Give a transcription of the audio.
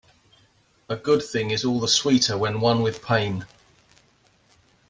A good thing is all the sweeter when won with pain.